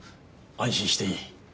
安心していい。